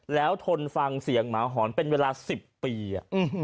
แล้วทนฟังเสียงหมาหอนเป็นเวลา๑๐ปี